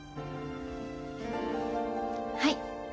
はい。